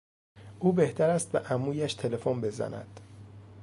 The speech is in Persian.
او بهتر است به عمویش تلفن بزند.